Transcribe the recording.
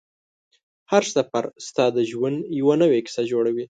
هر سفر ستا د ژوند یوه نوې کیسه جوړوي